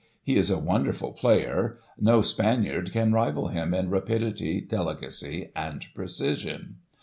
He is a wonderful player — ^nc Spaniard can rival him in rapidity, delicacy and precision.